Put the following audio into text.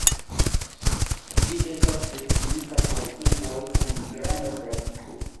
Ĝi estas destinita por urboj kun granda trafiko.